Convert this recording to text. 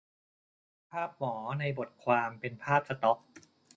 ภาพหมอในบทความเป็นภาพสต็อก